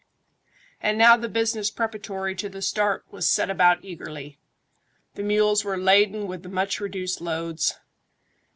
And now the business preparatory to the start was set about eagerly. The mules were laden with the much reduced loads.